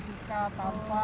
ini harganya macam macam pak